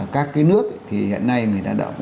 các cái nước thì hiện nay người ta đã